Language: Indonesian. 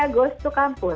kebaya goes to campus